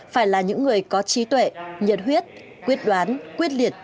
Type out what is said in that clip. phải là những người có trí tuệ nhiệt huyết quyết đoán quyết liệt